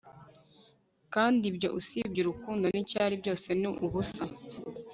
kandi ibyo, usibye urukundo nicyari, byose ni ubusa